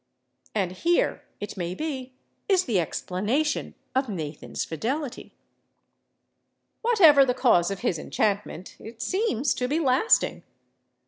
And here, it may be, is the explanation of Nathan's fidelity. Whatever the cause of his enchantment, it seems to be lasting.